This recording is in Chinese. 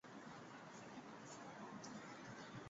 矢尾一树是日本男性声优。